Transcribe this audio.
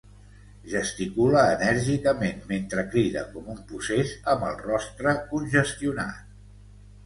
Gesticula enèrgicament mentre crida com un possés, amb el rostre congestionat.